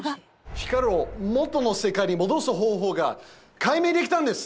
光を元の世界に戻す方法が解明できたんです！